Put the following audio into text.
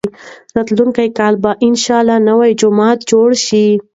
تر راتلونکي کاله به انشاالله نوی جومات جوړ شي.